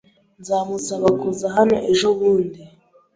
Nzamusaba kuza hano ejobundi